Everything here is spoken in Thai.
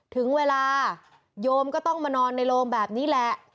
ถึงเวลาโยมก็ต้องมานอนในโรงแบบนี้แหละ